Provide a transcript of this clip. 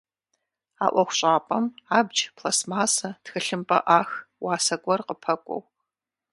А ӏуэхущӏапӏэм абдж, пластмассэ, тхылъымпӏэ ӏах, уасэ гуэр къыпэкӏуэу.